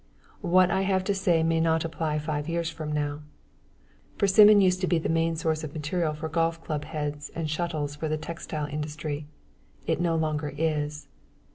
What I have to say may not apply five years from now. Persimmon used to be the main source of material for golf club heads and shuttles for the textile industry. It no longer is.